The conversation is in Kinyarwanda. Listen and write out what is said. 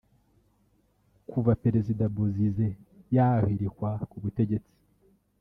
kuva Perezida Bozizé yahirikwa ku butegetsi